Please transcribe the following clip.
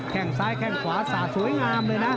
แค่งซ้ายแข้งขวาสาดสวยงามเลยนะ